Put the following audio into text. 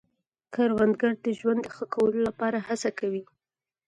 کروندګر د ژوند ښه کولو لپاره هڅه کوي